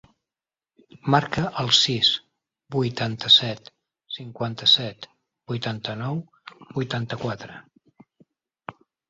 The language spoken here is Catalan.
Marca el sis, vuitanta-set, cinquanta-set, vuitanta-nou, vuitanta-quatre.